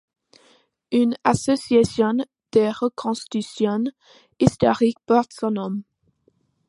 Une association de reconstitution historique porte son nom.